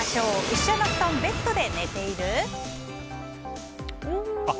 一緒の布団・ベッドで寝ている？